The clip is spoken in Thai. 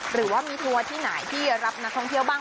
หรือว่ามีทัวร์ที่ไหนที่รับนักท่องเที่ยวบ้าง